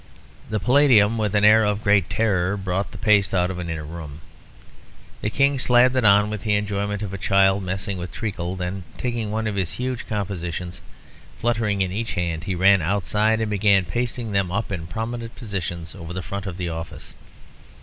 The Paladium, with an air of great terror, brought the paste out of an inner room. The King slabbed it on with the enjoyment of a child messing with treacle. Then taking one of his huge compositions fluttering in each hand, he ran outside, and began pasting them up in prominent positions over the front of the office.